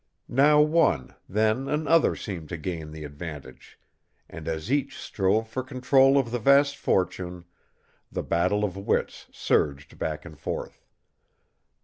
Now one, then another seemed to gain the advantage, and as each strove for control of the vast fortune, the battle of wits surged back and forth.